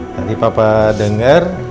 tadi papa denger